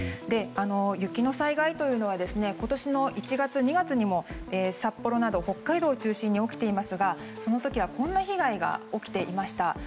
雪の災害というのは今年の１月、２月にも北海道の札幌を中心に起きていますが、その時はこんな被害が起きていました。